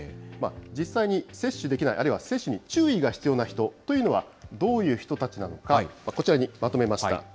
実際に接種できない、あるいは接種に注意が必要な人というのは、どういう人たちなのか、こちらにまとめました。